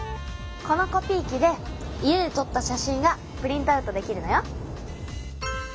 このコピー機で家でとった写真がプリントアウトできるのよ。